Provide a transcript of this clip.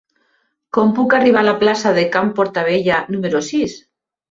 Com puc arribar a la plaça de Can Portabella número sis?